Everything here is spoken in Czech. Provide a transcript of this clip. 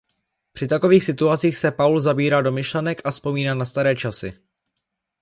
Při takových situacích se Paul zabírá do myšlenek a vzpomíná na staré časy.